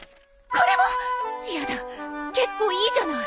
やだ結構いいじゃない！